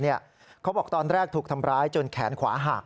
เขาบอกตอนแรกถูกทำร้ายจนแขนขวาหัก